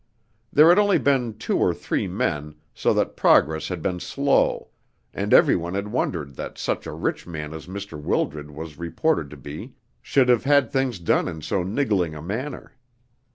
There had only been two or three men, so that progress had been slow, and everyone had wondered that such a rich man as Mr. Wildred was reported to be should have had things done in so niggling a manner.